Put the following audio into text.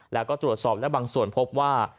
แล้วก็ตรวจสอบและบางส่วนพบว่า